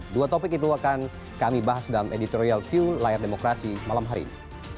dua topik itu akan kami bahas dalam editorial view layar demokrasi malam hari ini